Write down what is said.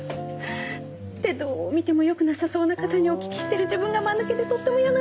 ってどう見てもよくなさそうな方にお聞きしてる自分がマヌケでとっても嫌なんですけど。